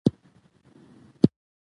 قانون د حق او مکلفیت توازن ساتي.